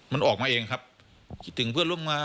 มันออกมาเองครับคิดถึงเพื่อนร่วมงาน